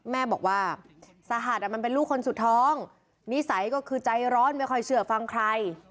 แม่บอกว่าสหัสมันเป็นลูกคนสุดท้องนิสัยก็คือใจร้อนไม่ค่อยเชื่อฟังใคร